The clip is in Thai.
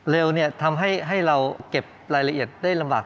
เร่เนี่ยจะทำให้เราเก็บรายละเอียดได้ลำบาก